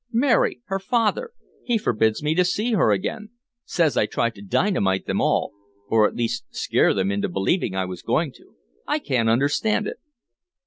Mary her father he forbids me to see her again. Says I tried to dynamite them all or at least scare them into believing I was going to. I can't understand it!"